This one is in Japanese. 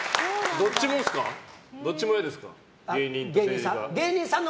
どっちも嫌ですか？